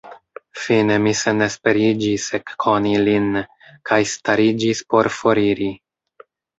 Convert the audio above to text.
Fine mi senesperiĝis ekkoni lin, kaj stariĝis por foriri.